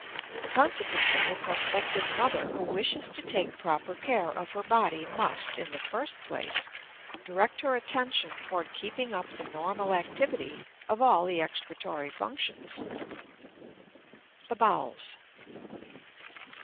Consequently a prospective mother who wishes to take proper care of her body must, in the first place, direct her attention toward keeping up the normal activity of all the excretory functions. THE BOWELS.